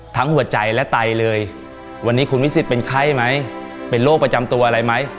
หัวใจและไตเลยวันนี้คุณวิสิทธิเป็นไข้ไหมเป็นโรคประจำตัวอะไรไหม